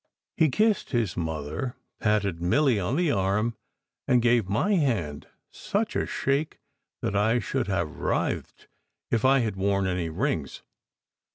He kissed his mother, patted Milly on the arm, and gave my hand such a shake that I should have writhed if I had worn any rings.